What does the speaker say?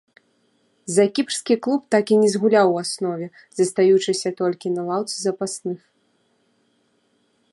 За кіпрскі клуб так і не згуляў у аснове, застаючыся толькі на лаўцы запасных.